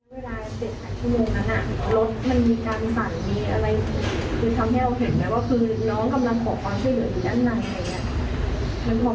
เวลา๗ชั่วโมงนั้นน่ะรถมันมีการสั่นมีอะไร